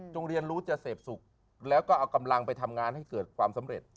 โรงเรียนรู้จะเสพสุขแล้วก็เอากำลังไปทำงานให้เกิดความสำเร็จ